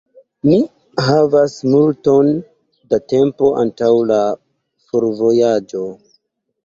Ni havas multon da tempo antaŭ la forvojaĝo.